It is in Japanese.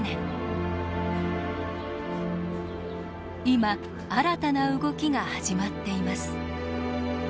今新たな動きが始まっています。